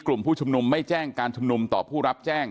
กลุ่มผู้ชุมนุมไม่แจ้งการชุมนุมต่อผู้รับแจ้ง